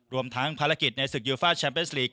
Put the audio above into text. รวมทั้งภารกิจในศึกยูฟ่าแมสลีก